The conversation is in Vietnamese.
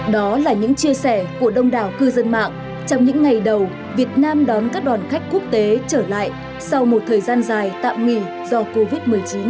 đó là những chia sẻ của đông đảo cư dân mạng trong những ngày đầu việt nam đón các đoàn khách quốc tế trở lại sau một thời gian dài tạm nghỉ do covid một mươi chín